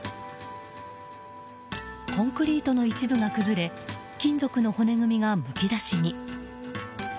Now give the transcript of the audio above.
コンクリートの一部が崩れ金属の骨組みが、むき出しに。